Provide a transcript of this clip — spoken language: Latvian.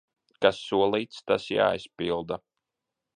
Kas solīts, tas jāizpilda.